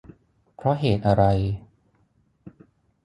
เพราะเหตุอะไร